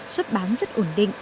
xuất bán rất ổn định